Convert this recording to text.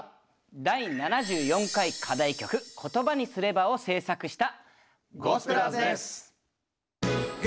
第７４回課題曲「言葉にすれば」を制作した。